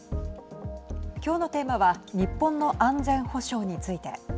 きょうのテーマは日本の安全保障について。